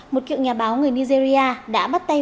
một kiệu nhà báo người nigeria đã bắt tay